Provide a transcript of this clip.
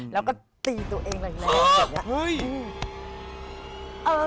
แล้วก็ตีตัวเองแรงแบบนี้